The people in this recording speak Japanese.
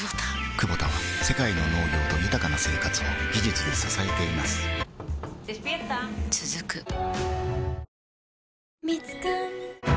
クボタは世界の農業と豊かな生活を技術で支えています起きて。